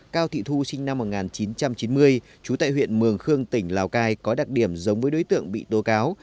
cao thị thu sinh năm một nghìn chín trăm chín mươi trú tại huyện mường khương tỉnh lào cai có đặc điểm giống với đối tượng bị tố cáo